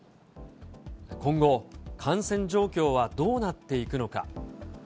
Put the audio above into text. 今後、感染状況はどうなっていくのか。